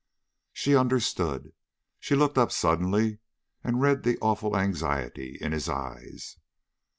She understood. She looked up suddenly, and read the awful anxiety in his eyes.